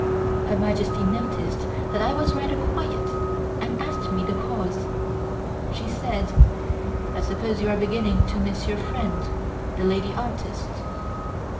Her Majesty noticed that I was rather quiet, and asked me the cause. She said: "I suppose you are beginning to miss your friend, the lady artist."